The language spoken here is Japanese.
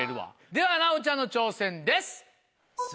では奈央ちゃんの挑戦です。